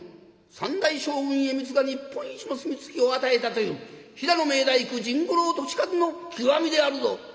三代将軍家光が日本一のお墨付きを与えたという飛騨の名大工甚五郎利勝の極みであるぞ。